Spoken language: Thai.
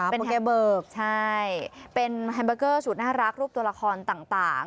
เป็นเกเบิกใช่เป็นแฮมเบอร์เกอร์สุดน่ารักรูปตัวละครต่าง